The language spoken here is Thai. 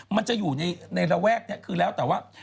มันจะอยู่ในระแวกนี้คือแล้วแต่ว่า